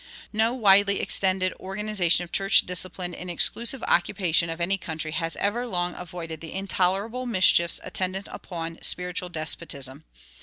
No widely extended organization of church discipline in exclusive occupation of any country has ever long avoided the intolerable mischiefs attendant on spiritual despotism.